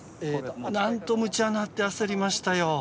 「なんとむちゃな」って焦りましたよ！